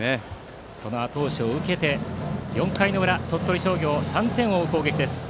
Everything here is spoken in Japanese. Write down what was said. そのあと押しを受けて４回裏鳥取商業は３点を追う攻撃です。